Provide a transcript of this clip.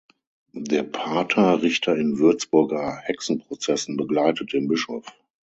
Der Pater, Richter in Würzburger Hexenprozessen, begleitet den Bischof.